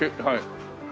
はい。